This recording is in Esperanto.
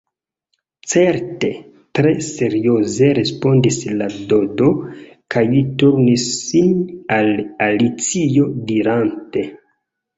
“Certe,” tre serioze respondis la Dodo, kaj turnis sin al Alicio dirante: